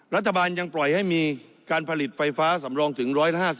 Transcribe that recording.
รัฐบาลยังปล่อยให้มีการผลิตไฟฟ้าสำรองถึง๑๕๐